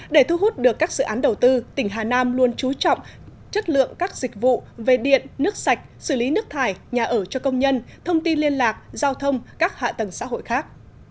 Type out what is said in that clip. để thu hút được các dự án đầu tư tỉnh hà nam luôn trú trọng chất lượng các dịch vụ về điện nước sạch xử lý nước thải nhà ở cho công nhân thông tin liên lạc giao thông các hạ tầng xã hội khác